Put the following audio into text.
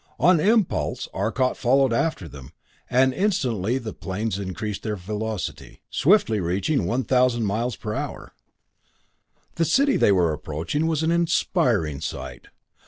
On impulse Arcot followed after them, and instantly the planes increased their velocity, swiftly reaching 1000 miles per hour. The city they were approaching was an inspiring sight.